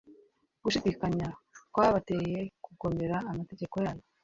Gushidikanya kwabateye kugomera amategeko yayo